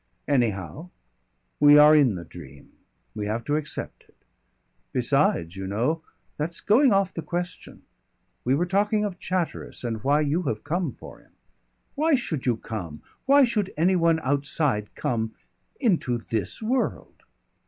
Anyhow, we are in the dream we have to accept it. Besides, you know, that's going off the question. We were talking of Chatteris, and why you have come for him. Why should you come, why should any one outside come into this world?"